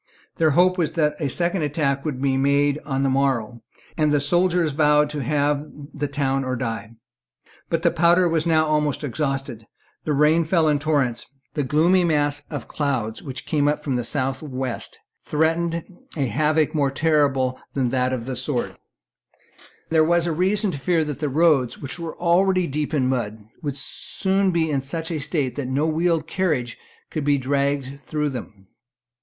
Their hope was that a second attack would be made on the morrow; and the soldiers vowed to have the town or die. But the powder was now almost exhausted; the rain fell in torrents; the gloomy masses of cloud which came up from the south west threatened a havoc more terrible than that of the sword; and there was reason to fear that the roads, which were already deep in mud, would soon be in such a state that no wheeled carriage could be dragged through them.